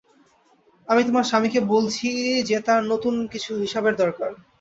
আমি তোমার স্বামীকে বলছি যে তার নতুন কিছু হিসাবের দরকার।